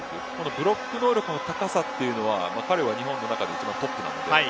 ブロック能力の高さというのは彼は日本の中で一番トップなので。